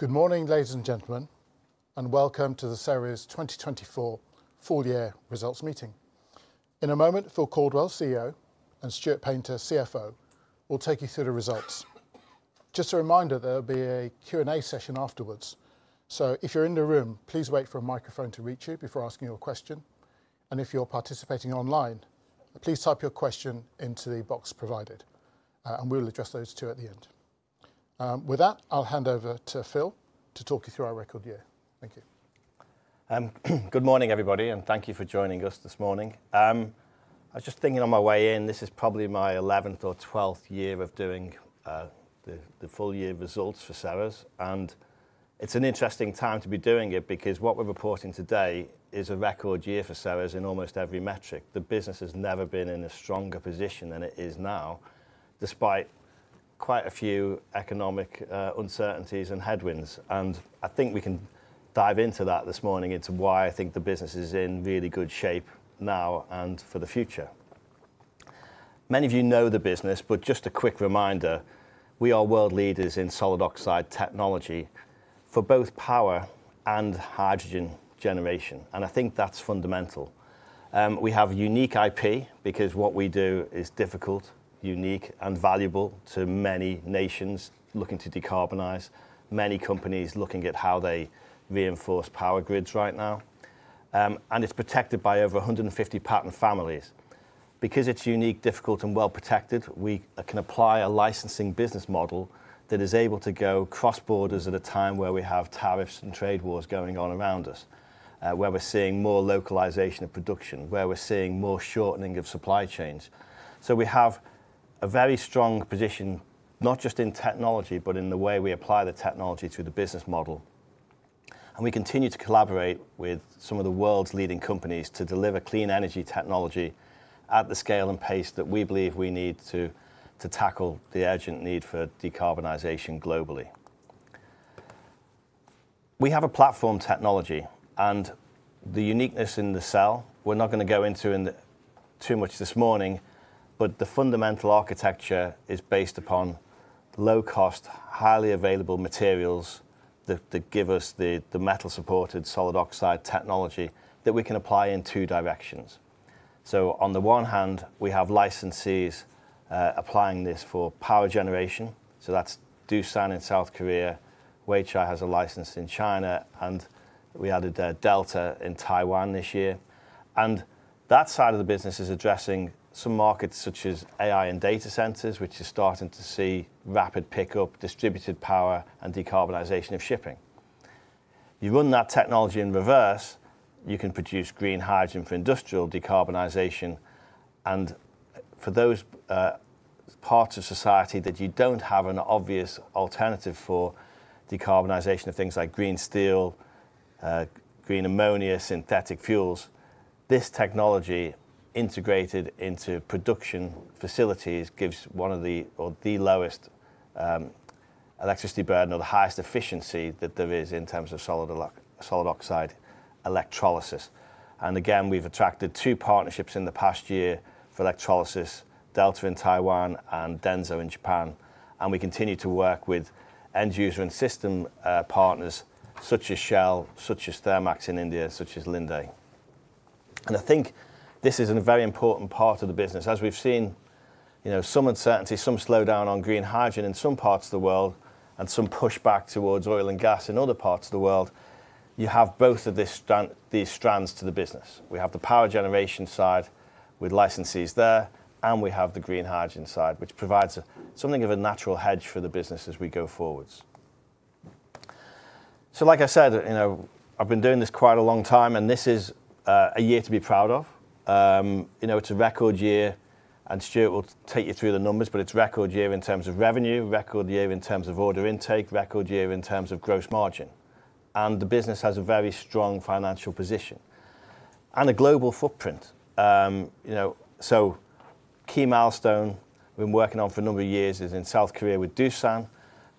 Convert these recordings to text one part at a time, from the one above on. Good morning, ladies and gentlemen, and welcome to the Ceres 2024 full year results meeting. In a moment, Phil Caldwell, CEO, and Stuart Paynter, CFO, will take you through the results. Just a reminder, there'll be a Q&A session afterwards, so if you're in the room, please wait for a microphone to reach you before asking your question. If you're participating online, please type your question into the box provided, and we'll address those too at the end. With that, I'll hand over to Phil to talk you through our record year. Thank you. Good morning, everybody, and thank you for joining us this morning. I was just thinking on my way in, this is probably my 11th or 12th year of doing the full year results for Ceres, and it's an interesting time to be doing it because what we're reporting today is a record year for Ceres in almost every metric. The business has never been in a stronger position than it is now, despite quite a few economic uncertainties and headwinds. I think we can dive into that this morning, into why I think the business is in really good shape now and for the future. Many of you know the business, but just a quick reminder, we are world leaders in solid oxide technology for both power and hydrogen generation, and I think that's fundamental. We have unique IP because what we do is difficult, unique, and valuable to many nations looking to decarbonize, many companies looking at how they reinforce power grids right now. It is protected by over 150 patent families. Because it is unique, difficult, and well protected, we can apply a licensing business model that is able to go cross borders at a time where we have tariffs and trade wars going on around us, where we are seeing more localization of production, where we are seeing more shortening of supply chains. We have a very strong position, not just in technology, but in the way we apply the technology to the business model. We continue to collaborate with some of the world's leading companies to deliver clean energy technology at the scale and pace that we believe we need to tackle the urgent need for decarbonization globally. We have a platform technology, and the uniqueness in the cell, we're not going to go into too much this morning, but the fundamental architecture is based upon low cost, highly available materials that give us the metal supported solid oxide technology that we can apply in two directions. On the one hand, we have licensees applying this for power generation, so that's Doosan in South Korea, Weichai has a license in China, and we added Delta in Taiwan this year. That side of the business is addressing some markets such as AI and data centers, which are starting to see rapid pickup, distributed power, and decarbonization of shipping. You run that technology in reverse, you can produce green hydrogen for industrial decarbonization. For those parts of society that you do not have an obvious alternative for decarbonization of things like green steel, green ammonia, synthetic fuels, this technology integrated into production facilities gives one of the lowest electricity burden or the highest efficiency that there is in terms of solid oxide electrolysis. We have attracted two partnerships in the past year for electrolysis, Delta in Taiwan and Denso in Japan. We continue to work with end user and system partners such as Shell, such as Thermax in India, such as Linde. I think this is a very important part of the business. As we have seen, you know, some uncertainty, some slowdown on green hydrogen in some parts of the world, and some pushback towards oil and gas in other parts of the world, you have both of these strands to the business. We have the power generation side with licensees there, and we have the green hydrogen side, which provides something of a natural hedge for the business as we go forwards. Like I said, you know, I've been doing this quite a long time, and this is a year to be proud of. You know, it's a record year, and Stuart will take you through the numbers, but it's a record year in terms of revenue, record year in terms of order intake, record year in terms of gross margin. The business has a very strong financial position and a global footprint. You know, a key milestone we've been working on for a number of years is in South Korea with Doosan.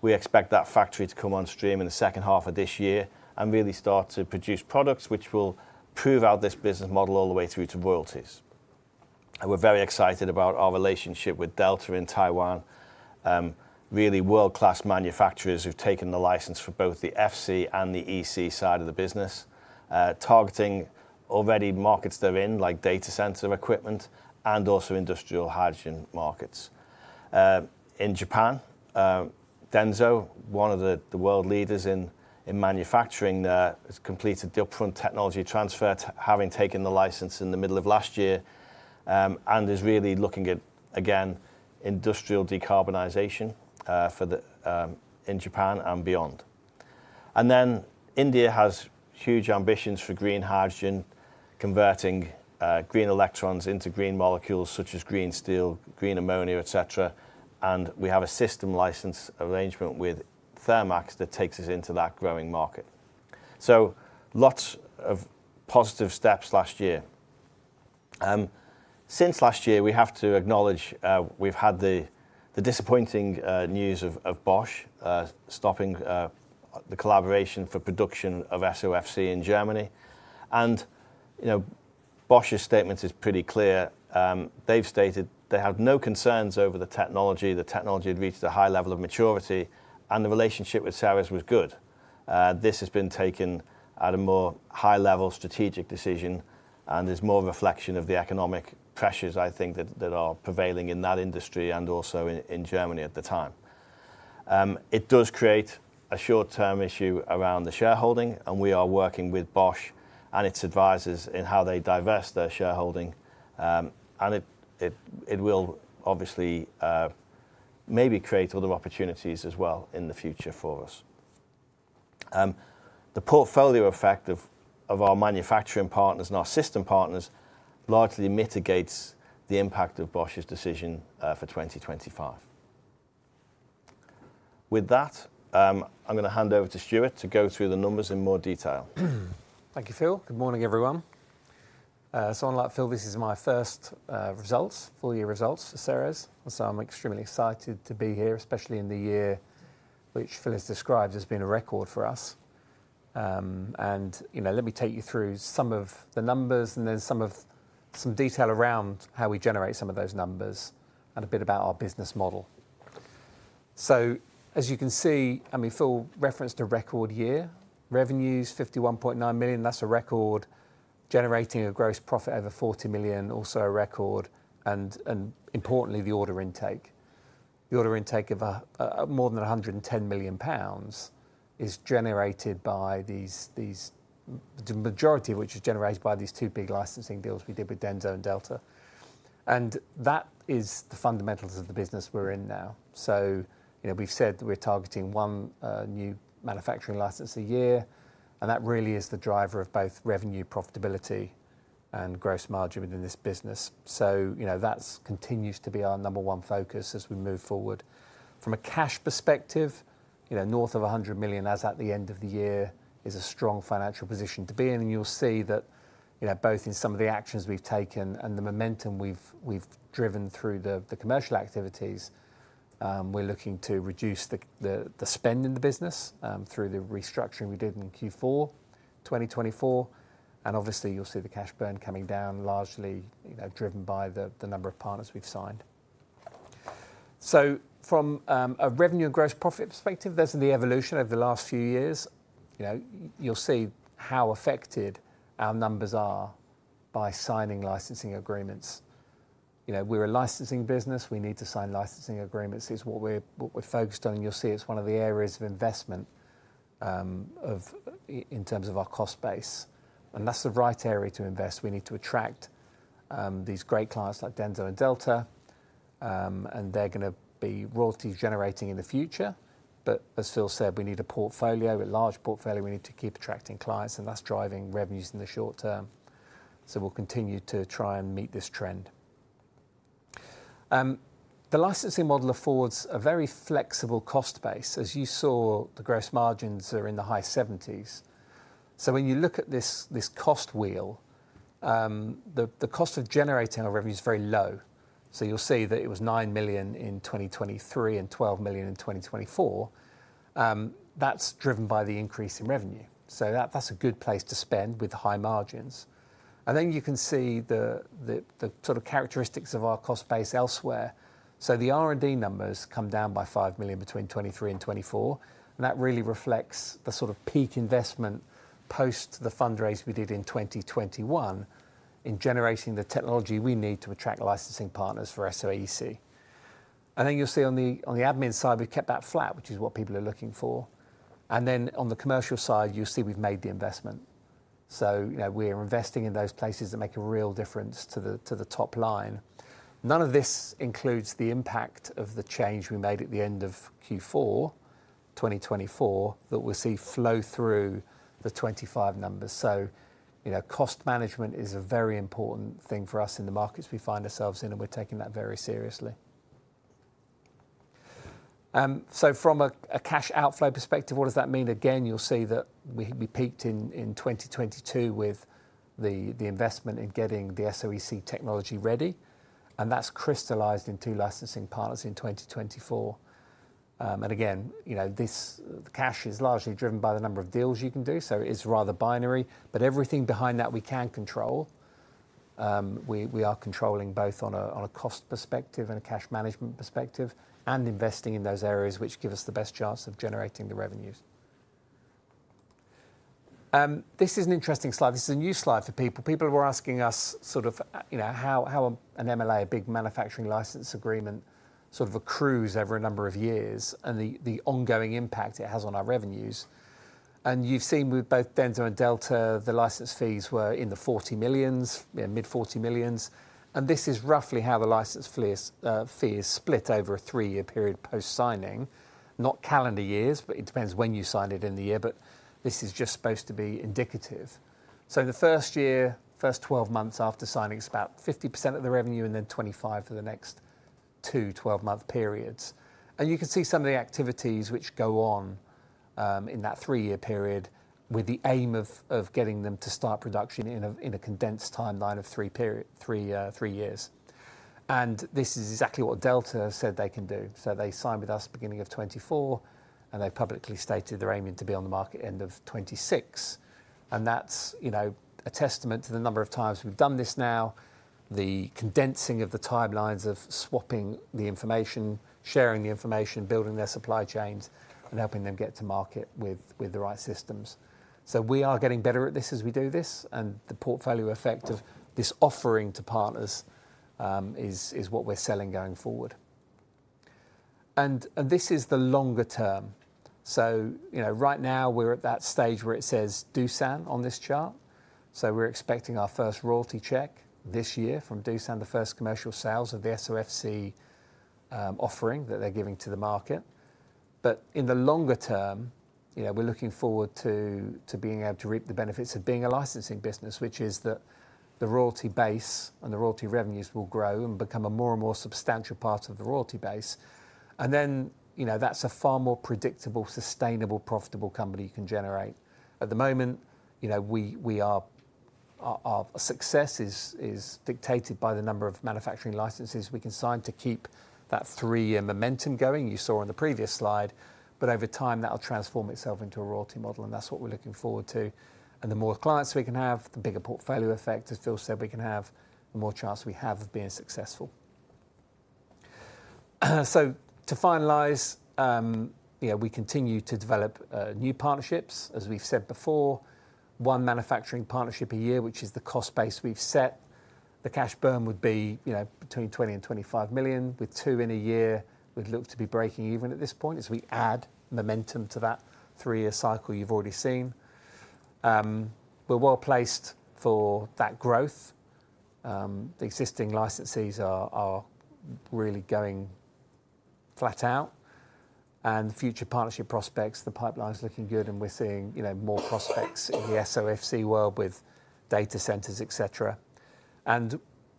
We expect that factory to come on stream in the second half of this year and really start to produce products which will prove out this business model all the way through to royalties. We are very excited about our relationship with Delta in Taiwan, really world-class manufacturers who have taken the license for both the FC and the EC side of the business, targeting already markets they are in, like data center equipment and also industrial hydrogen markets. In Japan, Denso, one of the world leaders in manufacturing, has completed the upfront technology transfer, having taken the license in the middle of last year, and is really looking at, again, industrial decarbonization in Japan and beyond. India has huge ambitions for green hydrogen, converting green electrons into green molecules such as green steel, green ammonia, et cetera. We have a system license arrangement with Thermax that takes us into that growing market. Lots of positive steps last year. Since last year, we have to acknowledge we've had the disappointing news of Bosch stopping the collaboration for production of SOFC in Germany. You know, Bosch's statement is pretty clear. They've stated they had no concerns over the technology. The technology had reached a high level of maturity, and the relationship with Ceres was good. This has been taken at a more high level strategic decision, and there's more reflection of the economic pressures, I think, that are prevailing in that industry and also in Germany at the time. It does create a short term issue around the shareholding, and we are working with Bosch and its advisors in how they divest their shareholding. It will obviously maybe create other opportunities as well in the future for us. The portfolio effect of our manufacturing partners and our system partners largely mitigates the impact of Bosch's decision for 2025. With that, I'm going to hand over to Stuart to go through the numbers in more detail. Thank you, Phil. Good morning, everyone. On that, Phil, this is my first full year results for Ceres, so I'm extremely excited to be here, especially in the year which Phil has described as being a record for us. You know, let me take you through some of the numbers and then some detail around how we generate some of those numbers and a bit about our business model. As you can see, I mean, Phil referenced a record year, revenues 51.9 million, that's a record, generating a gross profit over 40 million, also a record. Importantly, the order intake, the order intake of more than 110 million pounds is generated by these, the majority of which is generated by these two big licensing deals we did with Denso and Delta. That is the fundamentals of the business we're in now. You know, we've said that we're targeting one new manufacturing license a year, and that really is the driver of both revenue, profitability, and gross margin within this business. You know, that continues to be our number one focus as we move forward. From a cash perspective, you know, north of 100 million as at the end of the year is a strong financial position to be in. You'll see that, you know, both in some of the actions we've taken and the momentum we've driven through the commercial activities, we're looking to reduce the spend in the business through the restructuring we did in Q4 2024. Obviously, you'll see the cash burn coming down largely, you know, driven by the number of partners we've signed. From a revenue and gross profit perspective, there's the evolution over the last few years. You know, you'll see how affected our numbers are by signing licensing agreements. You know, we're a licensing business. We need to sign licensing agreements. It's what we're focused on. You'll see it's one of the areas of investment in terms of our cost base. That's the right area to invest. We need to attract these great clients like Denso and Delta, and they're going to be royalty generating in the future. As Phil said, we need a portfolio, a large portfolio. We need to keep attracting clients, and that's driving revenues in the short term. We'll continue to try and meet this trend. The licensing model affords a very flexible cost base. As you saw, the gross margins are in the high 70%. When you look at this cost wheel, the cost of generating our revenue is very low. You'll see that it was 9 million in 2023 and 12 million in 2024. That's driven by the increase in revenue. That's a good place to spend with high margins. You can see the sort of characteristics of our cost base elsewhere. The R&D numbers come down by 5 million between 2023 and 2024. That really reflects the sort of peak investment post the fundraise we did in 2021 in generating the technology we need to attract licensing partners for SOEC. You'll see on the admin side, we've kept that flat, which is what people are looking for. On the commercial side, you'll see we've made the investment. You know, we're investing in those places that make a real difference to the top line. None of this includes the impact of the change we made at the end of Q4 2024 that we'll see flow through the 2025 numbers. You know, cost management is a very important thing for us in the markets we find ourselves in, and we're taking that very seriously. From a cash outflow perspective, what does that mean? You'll see that we peaked in 2022 with the investment in getting the SOEC technology ready, and that's crystallized into licensing partners in 2024. You know, this cash is largely driven by the number of deals you can do, so it's rather binary. Everything behind that we can control. We are controlling both on a cost perspective and a cash management perspective and investing in those areas which give us the best chance of generating the revenues. This is an interesting slide. This is a new slide for people. People were asking us, you know, how an MLA, a big manufacturing license agreement, sort of accrues over a number of years and the ongoing impact it has on our revenues. You have seen with both Denso and Delta, the license fees were in the 40 millions, mid-40 millions. This is roughly how the license fee is split over a three-year period post signing, not calendar years, but it depends when you sign it in the year, but this is just supposed to be indicative. The first year, first 12 months after signing, it is about 50% of the revenue and then 25% for the next two 12-month periods. You can see some of the activities which go on in that three year period with the aim of getting them to start production in a condensed timeline of three years. This is exactly what Delta said they can do. They signed with us beginning of 2024, and they publicly stated they're aiming to be on the market end of 2026. That's, you know, a testament to the number of times we've done this now, the condensing of the timelines of swapping the information, sharing the information, building their supply chains, and helping them get to market with the right systems. We are getting better at this as we do this, and the portfolio effect of this offering to partners is what we're selling going forward. This is the longer term. You know, right now we're at that stage where it says Doosan on this chart. We're expecting our first royalty check this year from Doosan, the first commercial sales of the SOFC offering that they're giving to the market. In the longer term, you know, we're looking forward to being able to reap the benefits of being a licensing business, which is that the royalty base and the royalty revenues will grow and become a more and more substantial part of the royalty base. You know, that's a far more predictable, sustainable, profitable company you can generate. At the moment, you know, our success is dictated by the number of manufacturing licenses we can sign to keep that three year momentum going you saw on the previous slide. Over time, that'll transform itself into a royalty model, and that's what we're looking forward to. The more clients we can have, the bigger portfolio effect, as Phil said, we can have, the more chance we have of being successful. To finalize, you know, we continue to develop new partnerships, as we've said before, one manufacturing partnership a year, which is the cost base we've set. The cash burn would be, you know, between 20 million and 25 million. With two in a year, we'd look to be breaking even at this point as we add momentum to that three year cycle you've already seen. We're well placed for that growth. The existing licenses are really going flat out. Future partnership prospects, the pipeline is looking good, and we're seeing, you know, more prospects in the SOFC world with data centers, et cetera.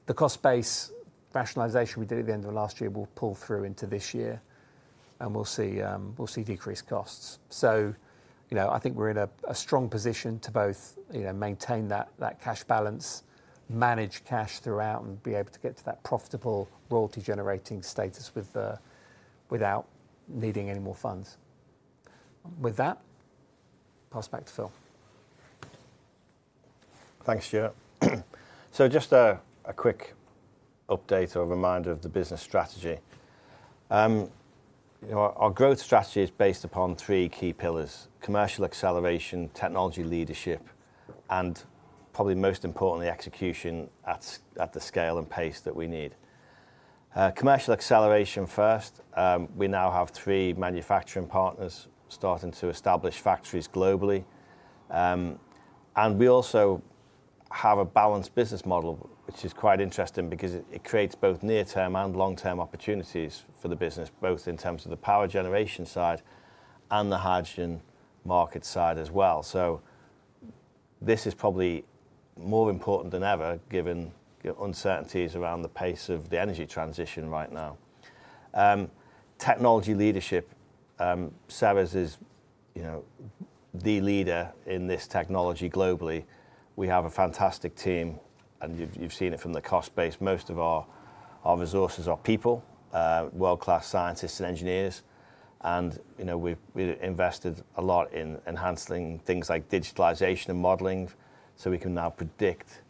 The cost base rationalization we did at the end of last year will pull through into this year, and we'll see decreased costs. You know, I think we're in a strong position to both, you know, maintain that cash balance, manage cash throughout, and be able to get to that profitable royalty generating status without needing any more funds. With that, pass back to Phil. Thanks, Stuart. Just a quick update or a reminder of the business strategy. You know, our growth strategy is based upon three key pillars: commercial acceleration, technology leadership, and probably most importantly, execution at the scale and pace that we need. Commercial acceleration first. We now have three manufacturing partners starting to establish factories globally. We also have a balanced business model, which is quite interesting because it creates both near term and long term opportunities for the business, both in terms of the power generation side and the hydrogen market side as well. This is probably more important than ever given the uncertainties around the pace of the energy transition right now. Technology leadership, Ceres is, you know, the leader in this technology globally. We have a fantastic team, and you've seen it from the cost base. Most of our resources are people, world class scientists and engineers. You know, we've invested a lot in enhancing things like digitalization and modeling so we can now predict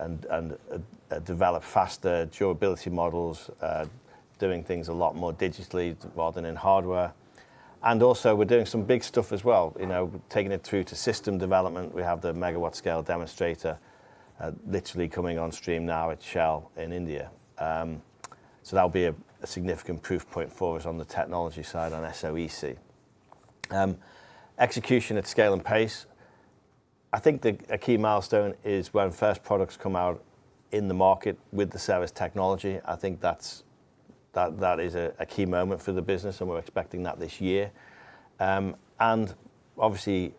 and develop faster durability models, doing things a lot more digitally rather than in hardware. Also, we're doing some big stuff as well, you know, taking it through to system development. We have the megawatt scale demonstrator literally coming on stream now at Shell in India. That will be a significant proof point for us on the technology side on SOEC. Execution at scale and pace. I think a key milestone is when first products come out in the market with the Ceres technology. I think that is a key moment for the business, and we're expecting that this year. Obviously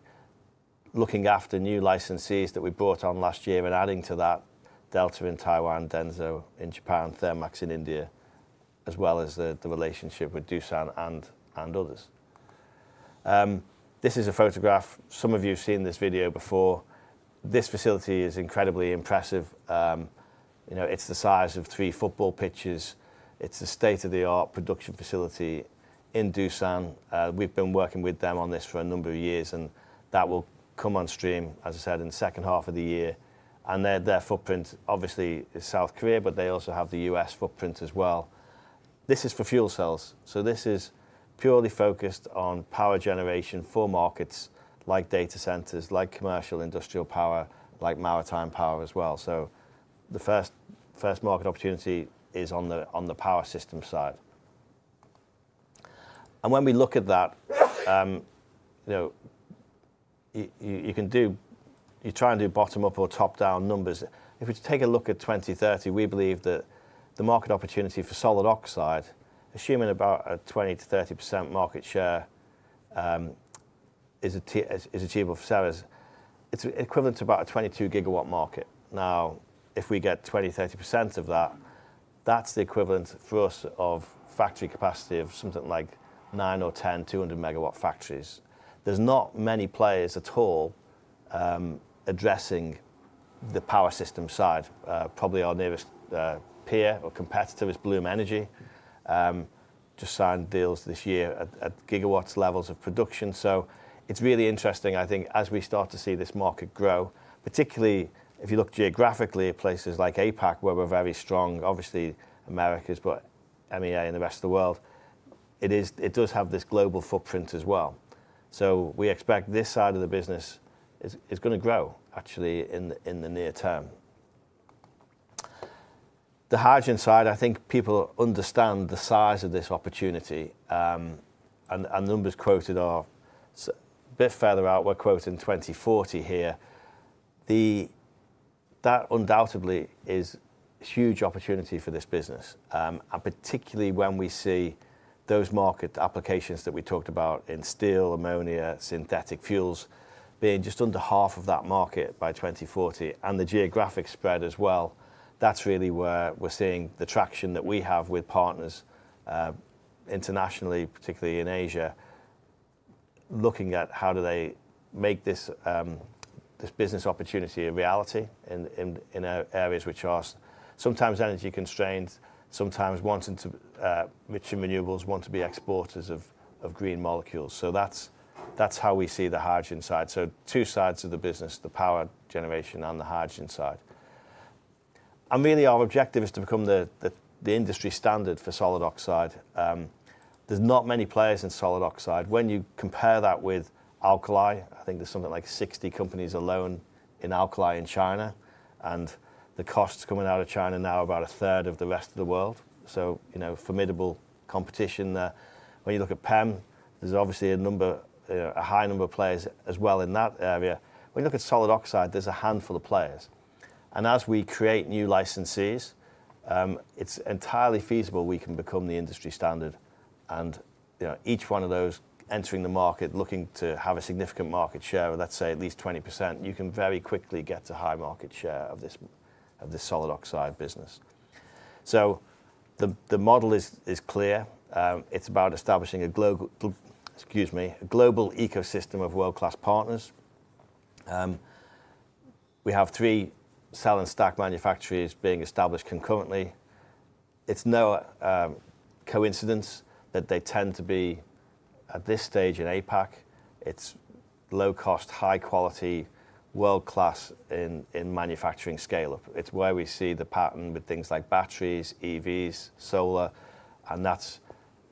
looking after new licensees that we brought on last year and adding to that, Delta in Taiwan, Denso in Japan, Thermax in India, as well as the relationship with Doosan and others. This is a photograph. Some of you have seen this video before. This facility is incredibly impressive. You know, it is the size of three football pitches. It is a state of the art production facility in Doosan. We have been working with them on this for a number of years, and that will come on stream, as I said, in the second half of the year. Their footprint obviously is South Korea, but they also have the US footprint as well. This is for fuel cells. This is purely focused on power generation for markets like data centers, like commercial industrial power, like maritime power as well. The first market opportunity is on the power system side. When we look at that, you know, you can do, you try and do bottom up or top down numbers. If we take a look at 2030, we believe that the market opportunity for solid oxide, assuming about a 20-30% market share is achievable for Ceres, it's equivalent to about a 22 gigawatt market. Now, if we get 20-30% of that, that's the equivalent for us of factory capacity of something like nine or 10 200 megawatt factories. There's not many players at all addressing the power system side. Probably our nearest peer or competitor is Bloom Energy. Just signed deals this year at gigawatt levels of production. It's really interesting, I think, as we start to see this market grow, particularly if you look geographically at places like APAC, where we're very strong, obviously Americas, but MEA and the rest of the world, it does have this global footprint as well. We expect this side of the business is going to grow actually in the near term. The hydrogen side, I think people understand the size of this opportunity. Numbers quoted are a bit further out. We're quoting 2040 here. That undoubtedly is a huge opportunity for this business, and particularly when we see those market applications that we talked about in steel, ammonia, synthetic fuels being just under half of that market by 2040 and the geographic spread as well. That's really where we're seeing the traction that we have with partners internationally, particularly in Asia, looking at how do they make this business opportunity a reality in areas which are sometimes energy constrained, sometimes wanting to, which are renewables, want to be exporters of green molecules. That is how we see the hydrogen side. Two sides of the business, the power generation and the hydrogen side. Really our objective is to become the industry standard for solid oxide. There are not many players in solid oxide. When you compare that with alkali, I think there are something like 60 companies alone in alkali in China, and the costs coming out of China now are about a third of the rest of the world. You know, formidable competition there. When you look at PEM, there is obviously a number, a high number of players as well in that area. When you look at solid oxide, there's a handful of players. As we create new licensees, it's entirely feasible we can become the industry standard. You know, each one of those entering the market, looking to have a significant market share of, let's say, at least 20%, you can very quickly get to high market share of this solid oxide business. The model is clear. It's about establishing a global ecosystem of world class partners. We have three cell and stack manufacturers being established concurrently. It's no coincidence that they tend to be at this stage in APAC. It's low cost, high quality, world class in manufacturing scale up. It's where we see the pattern with things like batteries, EVs, solar, and that's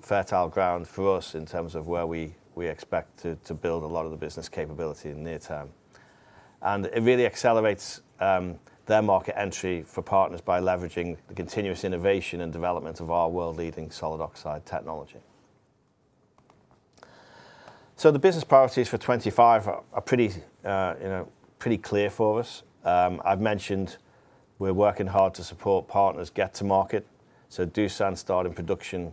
fertile ground for us in terms of where we expect to build a lot of the business capability in the near term. It really accelerates their market entry for partners by leveraging the continuous innovation and development of our world leading solid oxide technology. The business priorities for 2025 are pretty clear for us. I've mentioned we're working hard to support partners get to market. Doosan starting production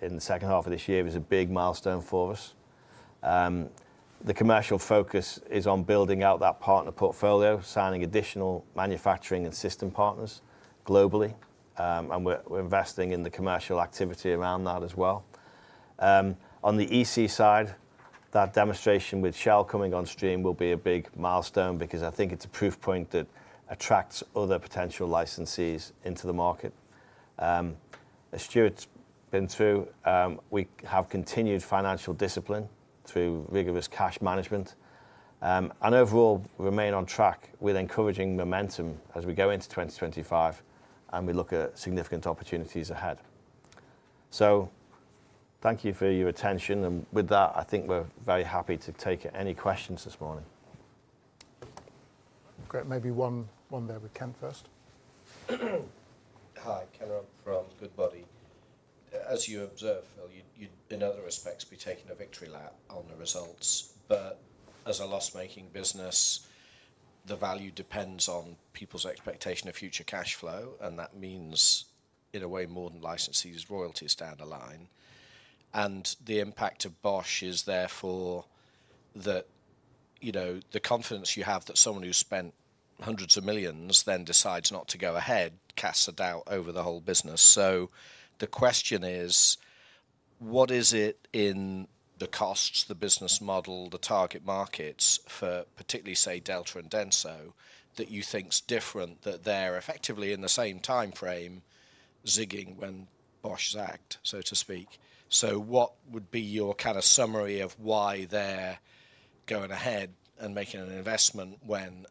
in the second half of this year is a big milestone for us. The commercial focus is on building out that partner portfolio, signing additional manufacturing and system partners globally. We're investing in the commercial activity around that as well. On the EC side, that demonstration with Shell coming on stream will be a big milestone because I think it's a proof point that attracts other potential licensees into the market. As Stuart's been through, we have continued financial discipline through rigorous cash management and overall remain on track with encouraging momentum as we go into 2025 and we look at significant opportunities ahead. Thank you for your attention. With that, I think we're very happy to take any questions this morning. Great. Maybe one there with Ken first. Hi, Keller from Goodbuddy. As you observe, Phil, you'd in other respects be taking a victory lap on the results. As a loss making business, the value depends on people's expectation of future cash flow. That means in a way more than licensees, royalties down the line. The impact of Bosch is therefore that, you know, the confidence you have that someone who's spent hundreds of millions then decides not to go ahead casts a doubt over the whole business. The question is, what is it in the costs, the business model, the target markets for particularly, say, Delta and Denso that you think's different that they're effectively in the same timeframe zigging when Bosch's act, so to speak? What would be your kind of summary of why they're going ahead and making an investment when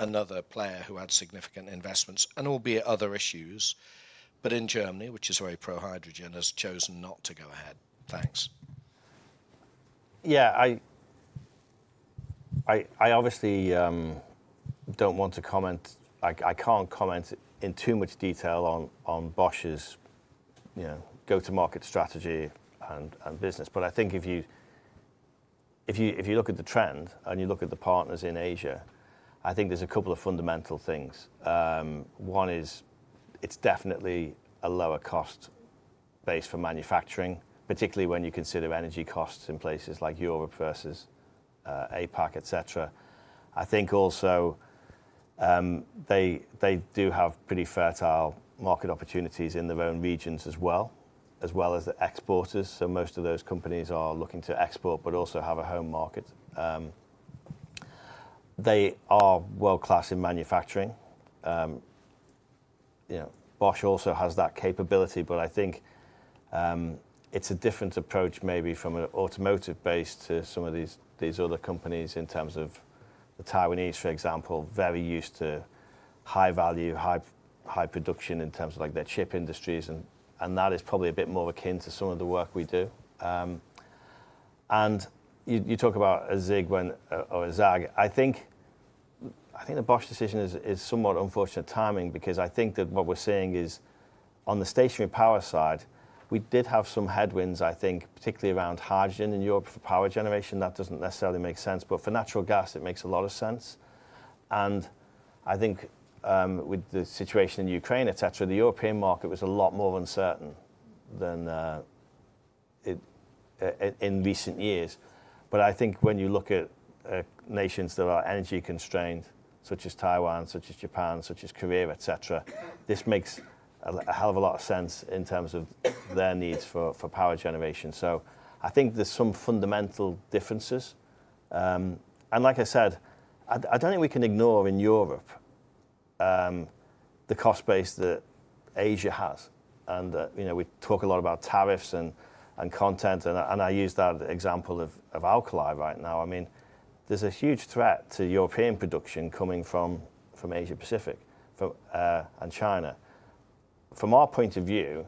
another player who had significant investments and albeit other issues, but in Germany, which is very pro hydrogen, has chosen not to go ahead? Thanks. Yeah, I obviously don't want to comment. I can't comment in too much detail on Bosch's go-to-market strategy and business. I think if you look at the trend and you look at the partners in Asia, I think there's a couple of fundamental things. One is it's definitely a lower cost base for manufacturing, particularly when you consider energy costs in places like Europe versus APAC, et cetera. I think also they do have pretty fertile market opportunities in their own regions as well, as well as the exporters. Most of those companies are looking to export, but also have a home market. They are world class in manufacturing. You know, Bosch also has that capability, but I think it's a different approach maybe from an automotive base to some of these other companies in terms of the Taiwanese, for example, very used to high value, high production in terms of like their chip industries. That is probably a bit more akin to some of the work we do. You talk about a zig or a zag. I think the Bosch decision is somewhat unfortunate timing because I think that what we're seeing is on the stationary power side, we did have some headwinds, I think, particularly around hydrogen in Europe for power generation. That doesn't necessarily make sense, but for natural gas, it makes a lot of sense. I think with the situation in Ukraine, et cetera, the European market was a lot more uncertain than in recent years. I think when you look at nations that are energy constrained, such as Taiwan, such as Japan, such as Korea, et cetera, this makes a hell of a lot of sense in terms of their needs for power generation. I think there's some fundamental differences. Like I said, I don't think we can ignore in Europe the cost base that Asia has. You know, we talk a lot about tariffs and content, and I use that example of alkali. Right now, I mean, there's a huge threat to European production coming from Asia Pacific and China. From our point of view,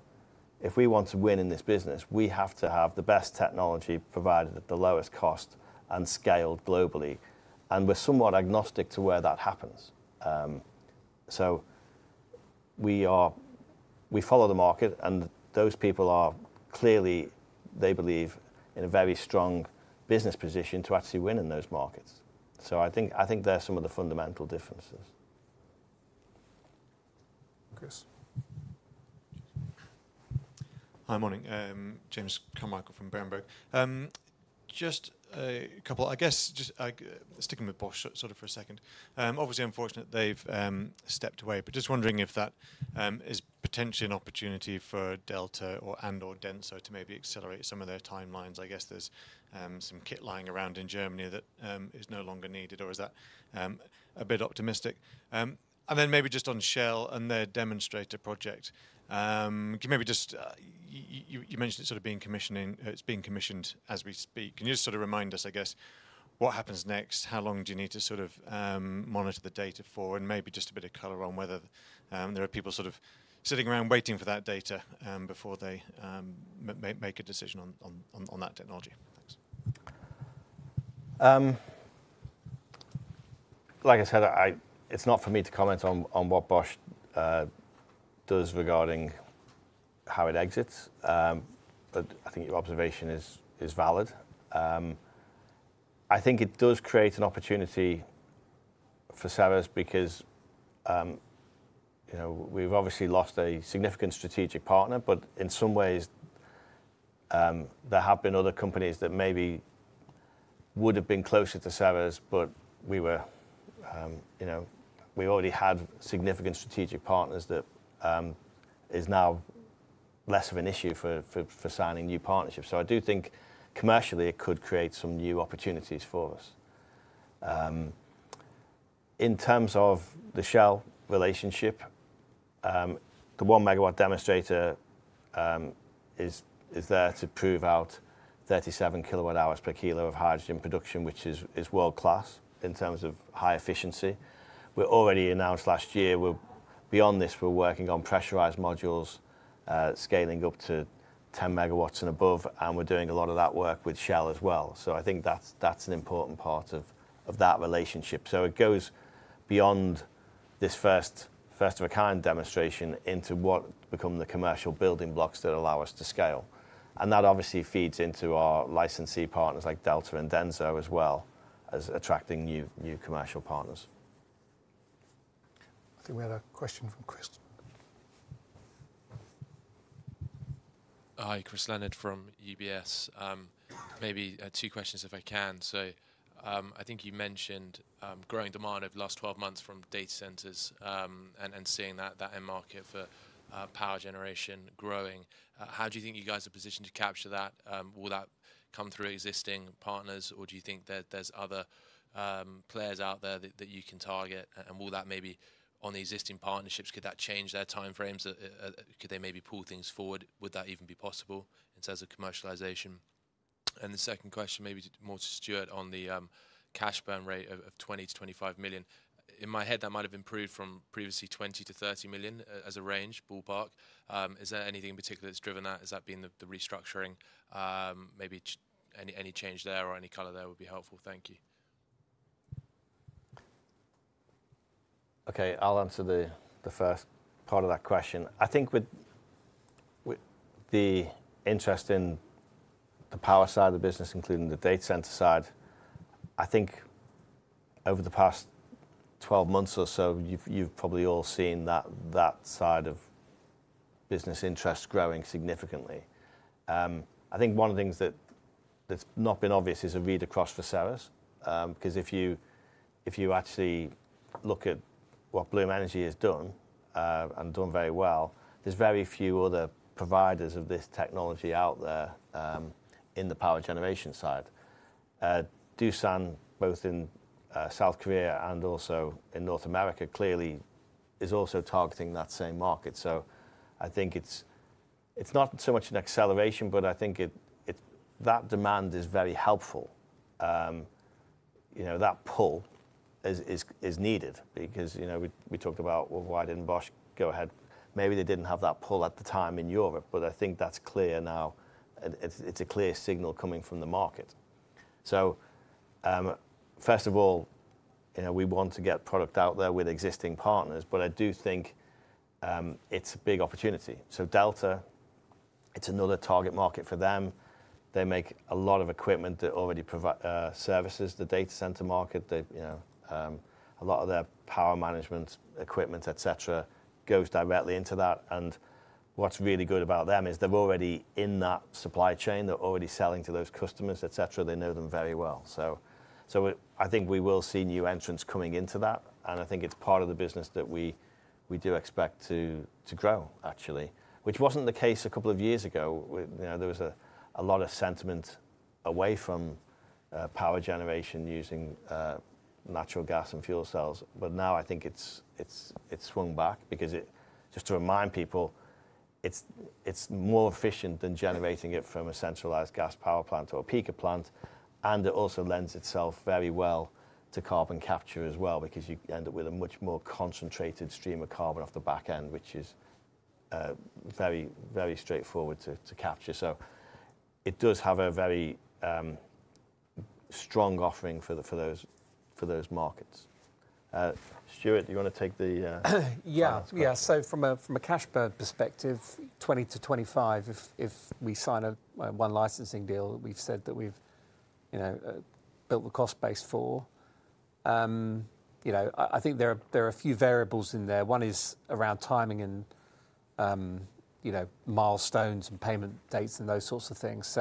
if we want to win in this business, we have to have the best technology provided at the lowest cost and scaled globally. We're somewhat agnostic to where that happens. We follow the market, and those people are clearly, they believe in a very strong business position to actually win in those markets. I think there are some of the fundamental differences. Chris. Hi, morning. James Carmichael from Berenberg. Just a couple, I guess, just sticking with Bosch sort of for a second. Obviously, unfortunately, they've stepped away, but just wondering if that is potentially an opportunity for Delta and/or Denso to maybe accelerate some of their timelines. I guess there's some kit lying around in Germany that is no longer needed, or is that a bit optimistic? Maybe just on Shell and their demonstrator project, can you maybe just, you mentioned it's sort of being commissioned, it's being commissioned as we speak. Can you just sort of remind us, I guess, what happens next? How long do you need to sort of monitor the data for? Maybe just a bit of color on whether there are people sort of sitting around waiting for that data before they make a decision on that technology? Thanks. Like I said, it's not for me to comment on what Bosch does regarding how it exits, but I think your observation is valid. I think it does create an opportunity for Ceres because, you know, we've obviously lost a significant strategic partner, but in some ways there have been other companies that maybe would have been closer to Ceres, but we were, you know, we already had significant strategic partners. That is now less of an issue for signing new partnerships. I do think commercially it could create some new opportunities for us. In terms of the Shell relationship, the one megawatt demonstrator is there to prove out 37 kilowatt hours per kilo of hydrogen production, which is world class in terms of high efficiency. We already announced last year, we're beyond this, we're working on pressurized modules scaling up to 10 megawatts and above, and we're doing a lot of that work with Shell as well. I think that's an important part of that relationship. It goes beyond this first of a kind demonstration into what become the commercial building blocks that allow us to scale. That obviously feeds into our licensee partners like Delta and Denso as well as attracting new commercial partners. I think we had a question from Chris. Hi, Chris Leonard from UBS. Maybe two questions if I can. I think you mentioned growing demand over the last 12 months from data centers and seeing that end market for power generation growing. How do you think you guys are positioned to capture that? Will that come through existing partners, or do you think there's other players out there that you can target? On the existing partnerships, could that change their timeframes? Could they maybe pull things forward? Would that even be possible in terms of commercialization? The second question, maybe more to Stuart on the cash burn rate of $20 million-$25 million. In my head, that might have improved from previously $20 million-$30 million as a range ballpark. Is there anything in particular that's driven that? Is that being the restructuring? Maybe any change there or any color there would be helpful. Thank you. Okay, I'll answer the first part of that question. I think with the interest in the power side of the business, including the data center side, I think over the past 12 months or so, you've probably all seen that side of business interest growing significantly. I think one of the things that's not been obvious is a read across for Ceres. Because if you actually look at what Bloom Energy has done and done very well, there's very few other providers of this technology out there in the power generation side. Doosan, both in South Korea and also in North America, clearly is also targeting that same market. I think it's not so much an acceleration, but I think that demand is very helpful. You know, that pull is needed because, you know, we talked about, well, why didn't Bosch go ahead? Maybe they did not have that pull at the time in Europe, but I think that is clear now. It is a clear signal coming from the market. First of all, you know, we want to get product out there with existing partners, but I do think it is a big opportunity. Delta, it is another target market for them. They make a lot of equipment that already services the data center market. You know, a lot of their power management equipment, et cetera, goes directly into that. What is really good about them is they are already in that supply chain. They are already selling to those customers, et cetera. They know them very well. I think we will see new entrants coming into that. I think it is part of the business that we do expect to grow, actually, which was not the case a couple of years ago. You know, there was a lot of sentiment away from power generation using natural gas and fuel cells. Now I think it's swung back because just to remind people, it's more efficient than generating it from a centralized gas power plant or a peaker plant. It also lends itself very well to carbon capture as well because you end up with a much more concentrated stream of carbon off the back end, which is very, very straightforward to capture. It does have a very strong offering for those markets. Stuart, do you want to take the... Yeah, yeah. From a cash burn perspective, 20-25, if we sign one licensing deal, we've said that we've, you know, built the cost base for. You know, I think there are a few variables in there. One is around timing and, you know, milestones and payment dates and those sorts of things.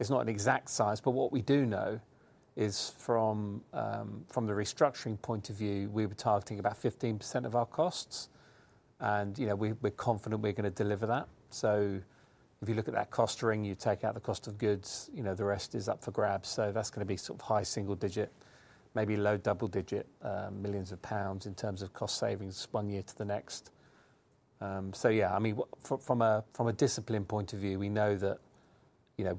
It's not an exact size, but what we do know is from the restructuring point of view, we were targeting about 15% of our costs. You know, we're confident we're going to deliver that. If you look at that cost ring, you take out the cost of goods, the rest is up for grabs. That's going to be sort of high single digit, maybe low double digit millions of GBP in terms of cost savings one year to the next. Yeah, I mean, from a discipline point of view, we know that, you know,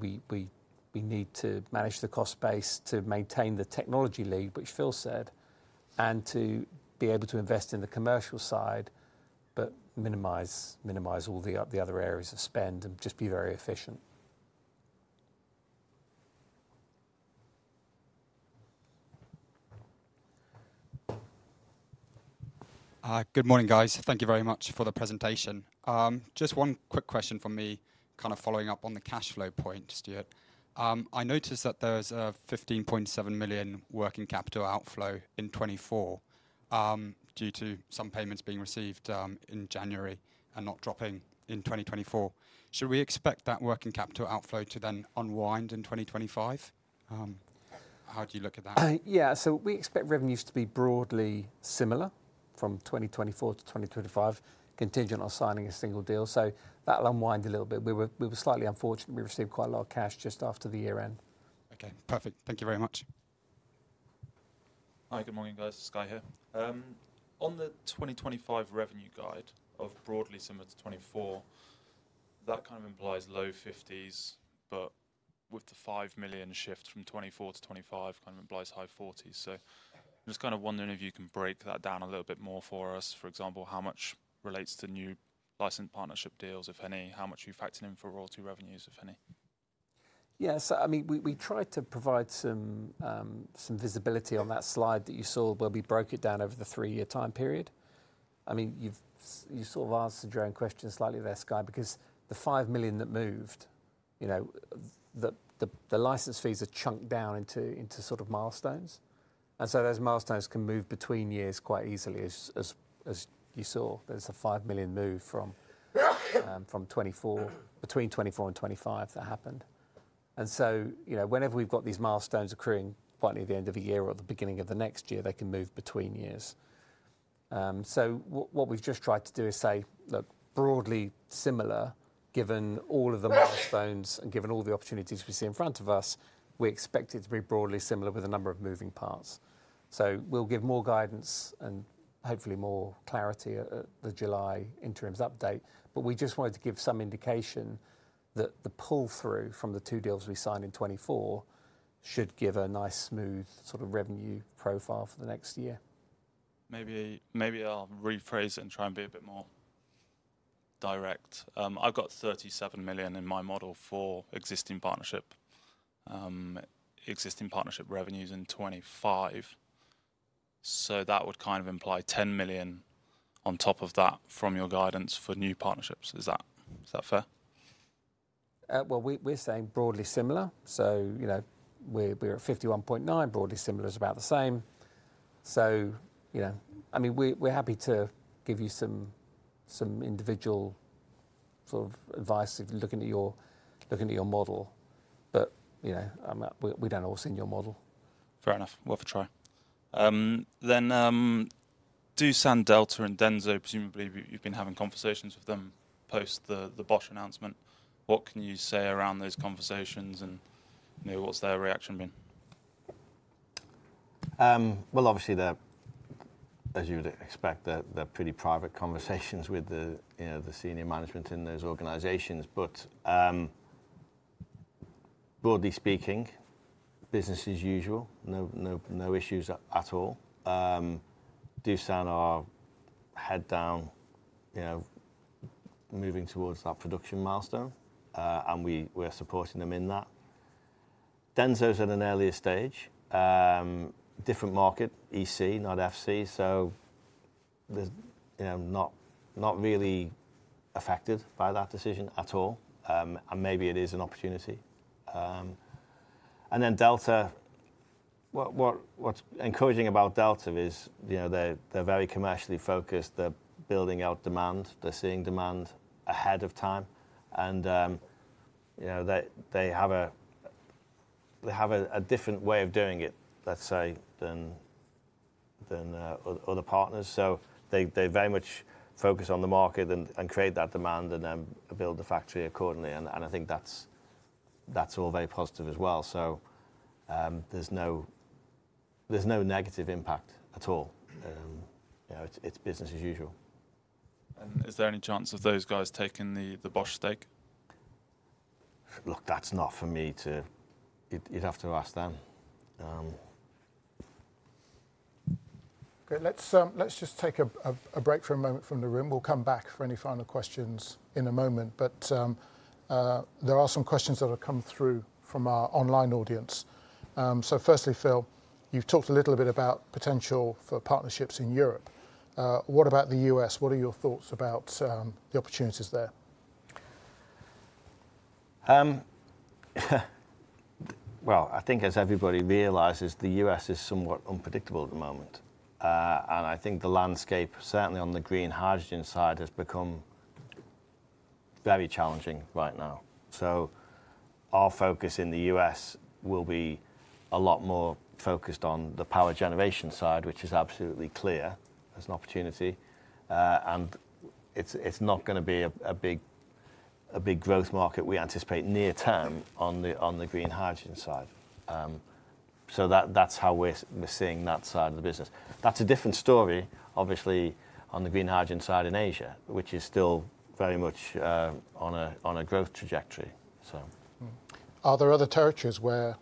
we need to manage the cost base to maintain the technology lead, which Phil said, and to be able to invest in the commercial side, but minimize all the other areas of spend and just be very efficient. Good morning, guys. Thank you very much for the presentation. Just one quick question from me, kind of following up on the cash flow point, Stuart. I noticed that there's a 15.7 million working capital outflow in 2024 due to some payments being received in January and not dropping in 2024. Should we expect that working capital outflow to then unwind in 2025? How do you look at that? Yeah, we expect revenues to be broadly similar from 2024 to 2025, contingent on signing a single deal. That will unwind a little bit. We were slightly unfortunate. We received quite a lot of cash just after the year-end. Okay, perfect. Thank you very much. Hi, good morning, guys. Sky here. On the 2025 revenue guide of broadly similar to 2024, that kind of implies low 50s, but with the $5 million shift from 2024 to 2025, kind of implies high 40s. I am just kind of wondering if you can break that down a little bit more for us. For example, how much relates to new licensed partnership deals, if any? How much are you factoring in for royalty revenues, if any? Yeah, I mean, we tried to provide some visibility on that slide that you saw where we broke it down over the three-year time period. I mean, you sort of answered your own question slightly there, Sky, because the 5 million that moved, you know, the license fees are chunked down into sort of milestones. And those milestones can move between years quite easily, as you saw. There is a 5 million move from 2024, between 2024 and 2025 that happened. And, you know, whenever we've got these milestones occurring by the end of the year or the beginning of the next year, they can move between years. What we have just tried to do is say, look, broadly similar, given all of the milestones and given all the opportunities we see in front of us, we expect it to be broadly similar with a number of moving parts. We will give more guidance and hopefully more clarity at the July interims update. We just wanted to give some indication that the pull-through from the two deals we signed in 2024 should give a nice smooth sort of revenue profile for the next year. Maybe I'll rephrase it and try and be a bit more direct. I've got 37 million in my model for existing partnership revenues in 2025. That would kind of imply 10 million on top of that from your guidance for new partnerships. Is that fair? We're saying broadly similar. You know, we're at 51.9, broadly similar is about the same. You know, I mean, we're happy to give you some individual sort of advice if you're looking at your model, but you know, we don't all see in your model. Fair enough. Worth a try. Doosan, Delta, and Denso, presumably you've been having conversations with them post the Bosch announcement. What can you say around those conversations and what's their reaction been? Obviously, as you would expect, they're pretty private conversations with the senior management in those organizations. Broadly speaking, business as usual, no issues at all. Doosan are head down, you know, moving towards that production milestone, and we're supporting them in that. Denso is at an earlier stage, different market, EC, not FC. They are not really affected by that decision at all. Maybe it is an opportunity. Delta, what's encouraging about Delta is, you know, they're very commercially focused. They're building out demand. They're seeing demand ahead of time. You know, they have a different way of doing it, let's say, than other partners. They very much focus on the market and create that demand and then build the factory accordingly. I think that's all very positive as well. There's no negative impact at all. You know, it's business as usual. Is there any chance of those guys taking the Bosch stake? Look, that's not for me to... You'd have to ask them. Okay, let's just take a break for a moment from the room. We'll come back for any final questions in a moment. There are some questions that have come through from our online audience. Firstly, Phil, you've talked a little bit about potential for partnerships in Europe. What about the U.S.? What are your thoughts about the opportunities there? I think as everybody realizes, the U.S. is somewhat unpredictable at the moment. I think the landscape, certainly on the green hydrogen side, has become very challenging right now. Our focus in the U.S. will be a lot more focused on the power generation side, which is absolutely clear as an opportunity. It is not going to be a big growth market we anticipate near term on the green hydrogen side. That is how we are seeing that side of the business. That is a different story, obviously, on the green hydrogen side in Asia, which is still very much on a growth trajectory. Are there other territories where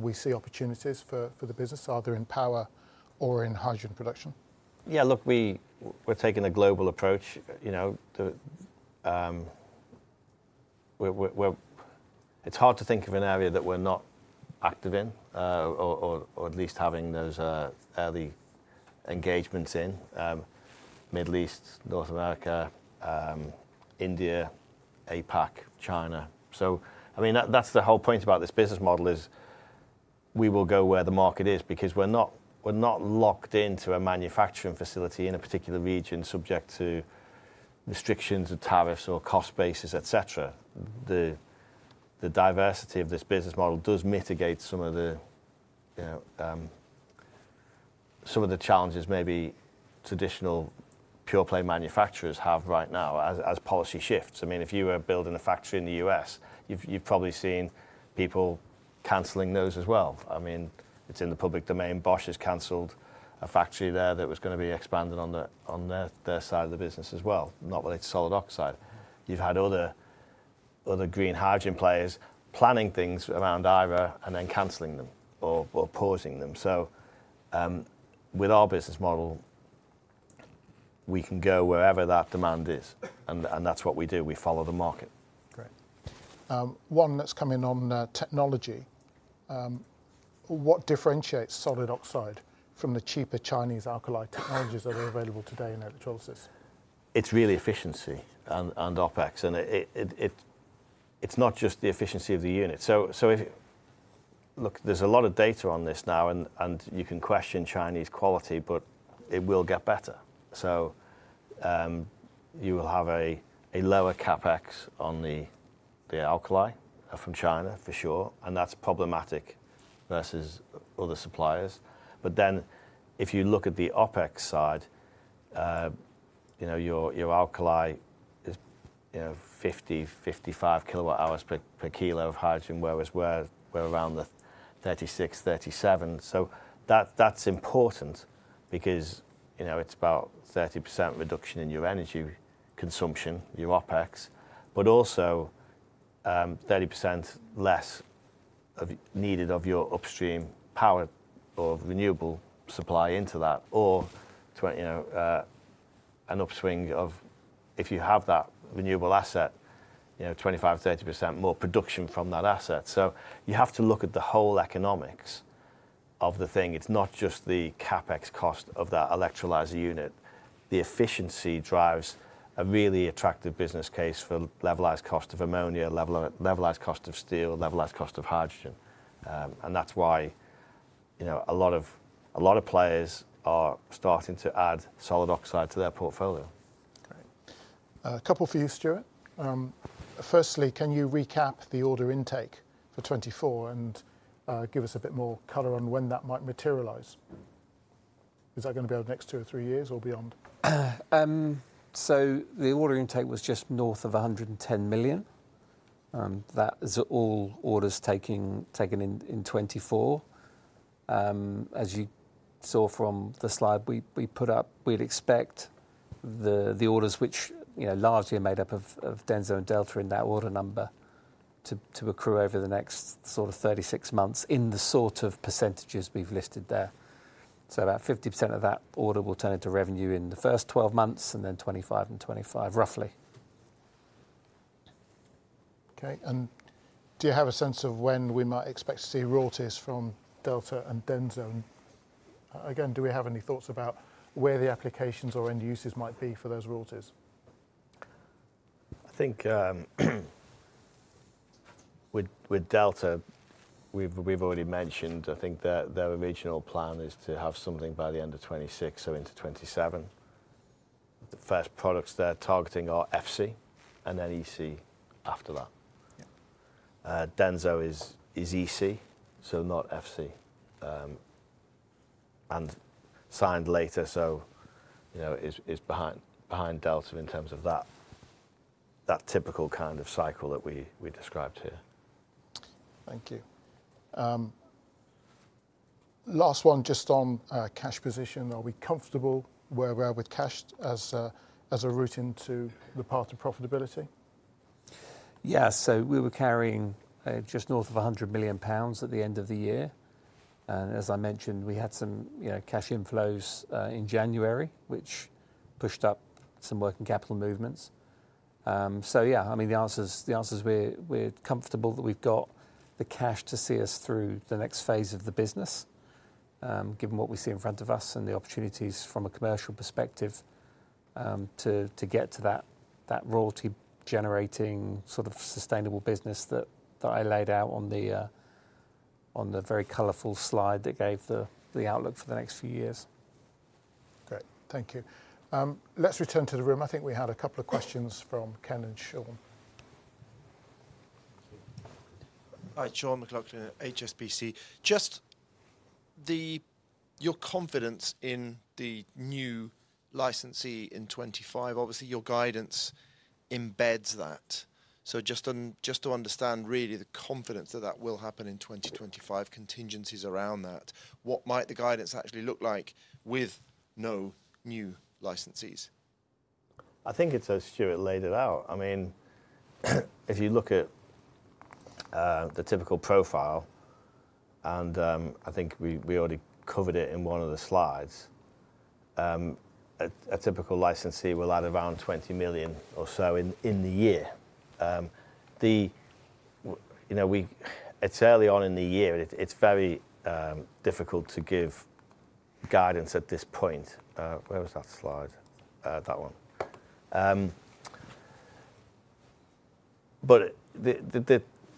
we see opportunities for the business? Are they in power or in hydrogen production? Yeah, look, we're taking a global approach. You know, it's hard to think of an area that we're not active in, or at least having those early engagements in: Middle East, North America, India, APAC, China. I mean, that's the whole point about this business model is we will go where the market is because we're not locked into a manufacturing facility in a particular region subject to restrictions of tariffs or cost bases, et cetera. The diversity of this business model does mitigate some of the challenges maybe traditional pure-play manufacturers have right now as policy shifts. I mean, if you were building a factory in the U.S., you've probably seen people canceling those as well. I mean, it's in the public domain. Bosch has canceled a factory there that was going to be expanded on their side of the business as well. Not that it's solid oxide. You've had other green hydrogen players planning things around IRA and then canceling them or pausing them. With our business model, we can go wherever that demand is. That's what we do. We follow the market. Great. One that's coming on technology. What differentiates solid oxide from the cheaper Chinese alkaline technologies that are available today in electrolysis? It's really efficiency and OpEx. It's not just the efficiency of the unit. Look, there's a lot of data on this now, and you can question Chinese quality, but it will get better. You will have a lower CapEx on the alkali from China, for sure. That's problematic versus other suppliers. If you look at the OpEx side, your alkali is 50-55 kilowatt-hours per kilo of hydrogen, whereas we're around 36-37. That's important because it's about a 30% reduction in your energy consumption, your OpEx, but also 30% less needed of your upstream power or renewable supply into that, or an upswing of, if you have that renewable asset, 25-30% more production from that asset. You have to look at the whole economics of the thing. It's not just the CapEx cost of that electrolyzer unit. The efficiency drives a really attractive business case for levelized cost of ammonia, levelized cost of steel, levelized cost of hydrogen. And that's why, you know, a lot of players are starting to add solid oxide to their portfolio. A couple for you, Stuart. Firstly, can you recap the order intake for 2024 and give us a bit more color on when that might materialize? Is that going to be over the next two or three years or beyond? The order intake was just north of 110 million. That is all orders taken in 2024. As you saw from the slide, we'd expect the orders, which largely are made up of Denso and Delta in that order number, to accrue over the next sort of 36 months in the sort of percentages we've listed there. About 50% of that order will turn into revenue in the first 12 months and then 2025 and 2026, roughly. Okay. Do you have a sense of when we might expect to see royalties from Delta and Denso? Again, do we have any thoughts about where the applications or end uses might be for those royalties? I think with Delta, we've already mentioned, I think their original plan is to have something by the end of 2026, so into 2027. The first products they're targeting are FC and then EC after that. Denso is EC, so not FC, and signed later, so you know is behind Delta in terms of that typical kind of cycle that we described here. Thank you. Last one, just on cash position. Are we comfortable where we are with cash as a route into the part of profitability? Yeah, we were carrying just north of 100 million pounds at the end of the year. As I mentioned, we had some cash inflows in January, which pushed up some working capital movements. Yeah, I mean, the answer is we're comfortable that we've got the cash to see us through the next phase of the business, given what we see in front of us and the opportunities from a commercial perspective to get to that royalty-generating sort of sustainable business that I laid out on the very colorful slide that gave the outlook for the next few years. Great. Thank you. Let's return to the room. I think we had a couple of questions from Ken and Sean. Hi, Sean McLaughlin at HSBC. Just your confidence in the new licensee in 2025, obviously your guidance embeds that. Just to understand really the confidence that that will happen in 2025, contingencies around that, what might the guidance actually look like with no new licensees? I think it's as Stuart laid it out. I mean, if you look at the typical profile, and I think we already covered it in one of the slides, a typical licensee will add around 20 million or so in the year. It's early on in the year. It's very difficult to give guidance at this point. Where was that slide? That one.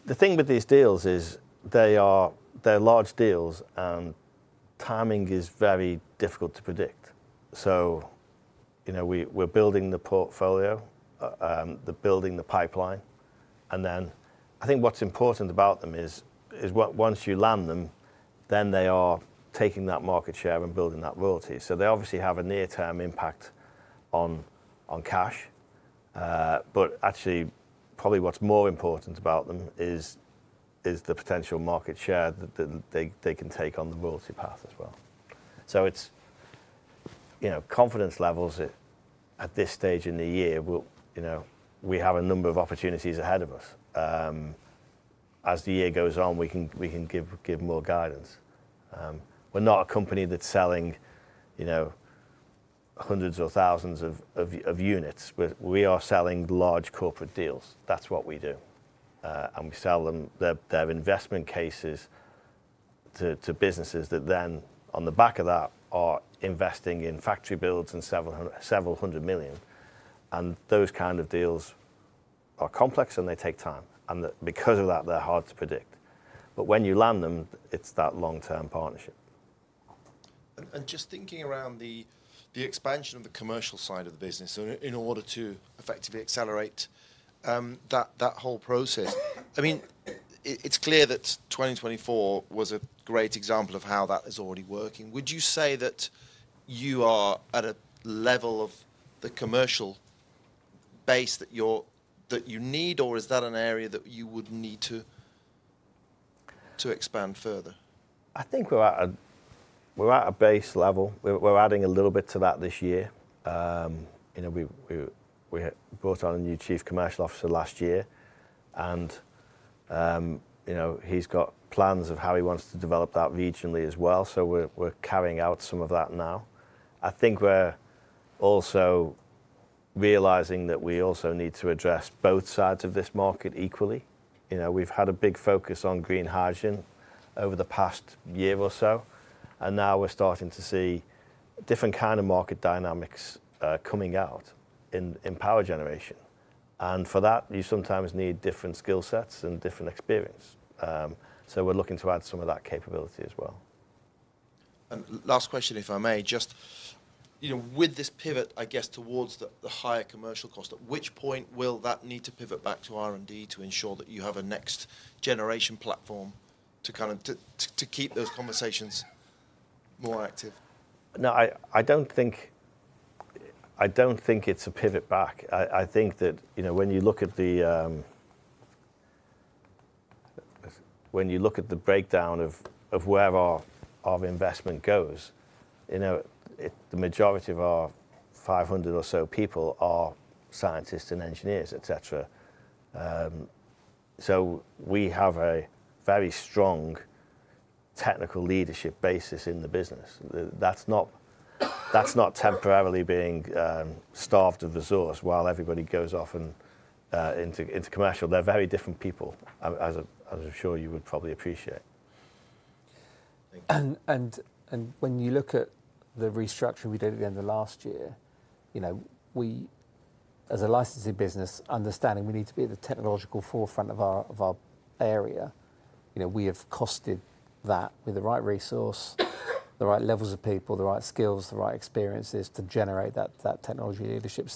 The thing with these deals is they're large deals, and timing is very difficult to predict. We are building the portfolio, they're building the pipeline. I think what's important about them is once you land them, then they are taking that market share and building that royalty. They obviously have a near-term impact on cash. Actually, probably what's more important about them is the potential market share that they can take on the royalty path as well. It is confidence levels at this stage in the year. We have a number of opportunities ahead of us. As the year goes on, we can give more guidance. We are not a company that is selling hundreds or thousands of units. We are selling large corporate deals. That is what we do. We sell them their investment cases to businesses that then, on the back of that, are investing in factory builds and several hundred million. Those kind of deals are complex and they take time. Because of that, they are hard to predict. When you land them, it is that long-term partnership. Just thinking around the expansion of the commercial side of the business in order to effectively accelerate that whole process, I mean, it's clear that 2024 was a great example of how that is already working. Would you say that you are at a level of the commercial base that you need, or is that an area that you would need to expand further? I think we're at a base level. We're adding a little bit to that this year. We brought on a new Chief Commercial Officer last year. He's got plans of how he wants to develop that regionally as well. We're carrying out some of that now. I think we're also realizing that we also need to address both sides of this market equally. We've had a big focus on green hydrogen over the past year or so. Now we're starting to see different kinds of market dynamics coming out in power generation. For that, you sometimes need different skill sets and different experience. We're looking to add some of that capability as well. Last question, if I may, just with this pivot, I guess, towards the higher commercial cost, at which point will that need to pivot back to R&D to ensure that you have a next generation platform to kind of keep those conversations more active? No, I don't think it's a pivot back. I think that when you look at the breakdown of where our investment goes, the majority of our 500 or so people are scientists and engineers, et cetera. So we have a very strong technical leadership basis in the business. That's not temporarily being starved of resources while everybody goes off into commercial. They're very different people, as I'm sure you would probably appreciate. When you look at the restructuring we did at the end of last year, as a licensing business, understanding we need to be at the technological forefront of our area, we have costed that with the right resource, the right levels of people, the right skills, the right experiences to generate that technology leadership.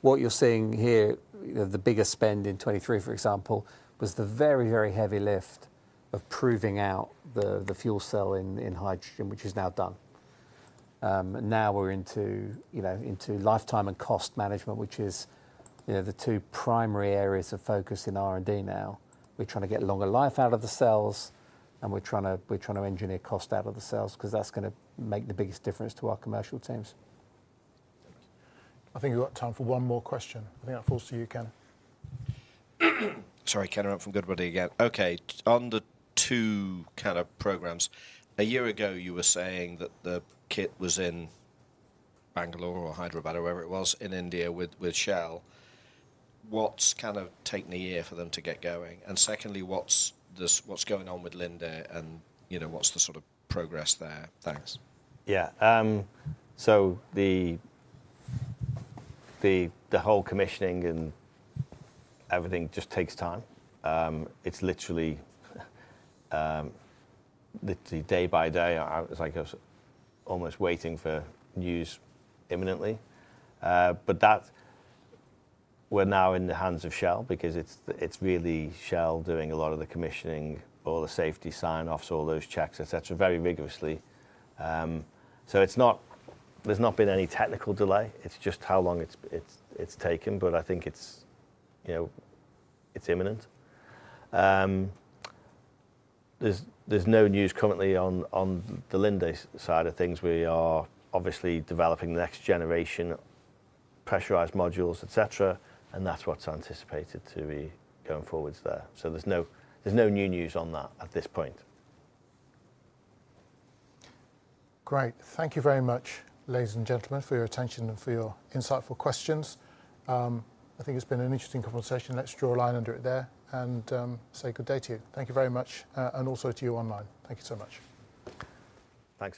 What you are seeing here, the biggest spend in 2023, for example, was the very, very heavy lift of proving out the fuel cell in hydrogen, which is now done. Now we are into lifetime and cost management, which is the two primary areas of focus in R&D now. We are trying to get longer life out of the cells, and we are trying to engineer cost out of the cells because that is going to make the biggest difference to our commercial teams. I think we've got time for one more question. I think that falls to you, Ken. Sorry, Ken, I'm from Goodbuddy again. Okay, on the two kind of programs, a year ago, you were saying that the kit was in Bangalore or Hyderabad, or wherever it was, in India with Shell. What's kind of taken a year for them to get going? Secondly, what's going on with Linde, and what's the sort of progress there? Thanks. Yeah. The whole commissioning and everything just takes time. It's literally day by day. It's like almost waiting for news imminently. We are now in the hands of Shell because it's really Shell doing a lot of the commissioning, all the safety sign-offs, all those checks, et cetera, very rigorously. There's not been any technical delay. It's just how long it's taken. I think it's imminent. There's no news currently on the Linde side of things. We are obviously developing the next generation pressurized modules, et cetera, and that's what's anticipated to be going forwards there. There's no new news on that at this point. Great. Thank you very much, ladies and gentlemen, for your attention and for your insightful questions. I think it's been an interesting conversation. Let's draw a line under it there and say good day to you. Thank you very much, and also to you online. Thank you so much. Thanks.